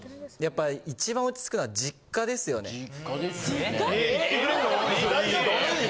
やっぱり、一番落ち着くのは実家ですよね。